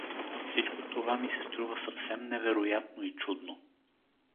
Всичко това ми се струва съвсем невероятно и чудно.